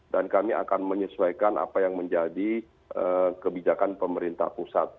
dan kami akan menyesuaikan apa yang menjadi kebijakan pemerintah pusat